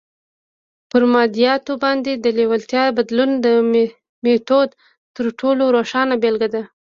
پر مادياتو باندې د لېوالتیا بدلولو د ميتود تر ټولو روښانه بېلګه ده.